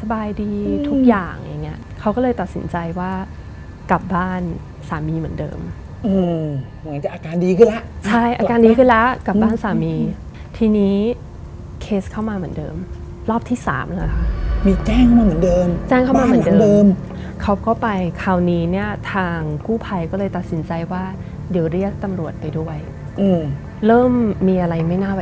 สบายดีทุกอย่างอย่างเงี้ยเขาก็เลยตัดสินใจว่ากลับบ้านสามีเหมือนเดิมอืมเหมือนจะอาการดีขึ้นละใช่อาการดีขึ้นละกลับบ้านสามีทีนี้เคสเข้ามาเหมือนเดิมรอบที่สามเลยค่ะมีแจ้งเข้ามาเหมือนเดิมแจ้งเข้ามาเหมือนเดิมเขาก็ไปคราวนี้เนี้ยทางกู้ภัยก็เลยตัดสินใจว่าเดี๋ยวเรียกตำรวจไปด้วยอืมเริ่มมีอะไรไม่น่า